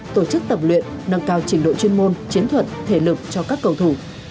tổ chức tập luyện nâng cao trình độ chuyên môn chiến thuật thể lực cho các cầu thủ